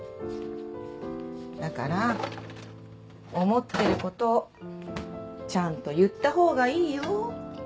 だから思ってることをちゃんと言った方がいいよ。